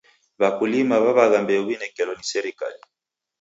W'akulima w'aw'agha mbeu w'inekelo ni serikali.